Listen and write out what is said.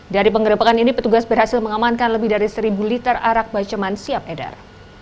dari pengerebekan ini petugas berhasil mengamankan lebih dari seribu liter arak baceman siap edar